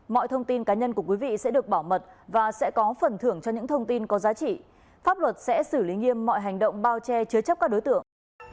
mọi thông tin cá nhân của quý vị sẽ được bảo mật và sẽ có phần thưởng cho những thông tin có giá trị pháp luật sẽ xử lý nghiêm mọi hành động bao che chứa chấp các đối tượng